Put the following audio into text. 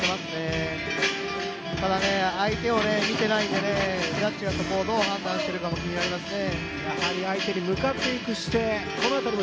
ただ相手を見ていないのでジャッジがそこをどう判断するかも気になりますね。